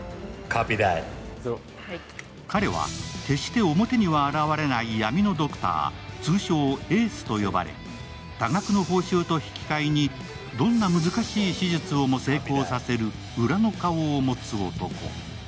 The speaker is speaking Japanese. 彼は決して表には現れない闇のドクター、通称・エースと呼ばれ、多額の報酬と引き換えにどんな難しい手術をも成功させる裏の顔を持つ男。